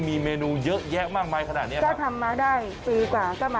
ปีกว่าก็มาเจอสี่ศูนย์ฟองสบู่แตก